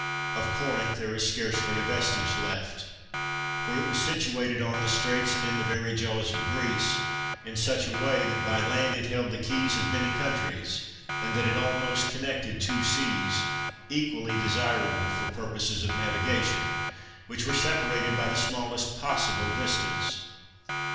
Of Corinth there is scarcely a vestige left. For it was situated on the straits and in the very jaws of Greece, in such a way that by land it held the keys of many countries, and that it almost connected two seas, equally desirable for purposes of navigation, which were separated by the smallest possible distance.